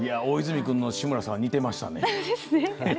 大泉君の志村さんは似てましたね。